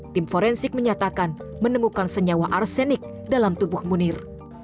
tim forensik menyatakan menemukan senyawa arsenik dalam tubuh munir